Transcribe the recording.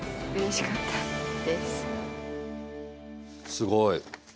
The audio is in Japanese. すごい。